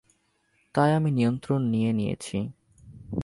তাই আমি নিয়ন্ত্রণ নিয়ে নিয়েছি।